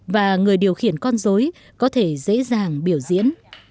và người điều khiển con dối có thể dễ dàng biểu diễn